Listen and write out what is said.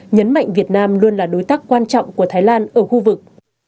nhấn mạnh việt nam luôn là đối tác quan trọng của thái lan ở khu vực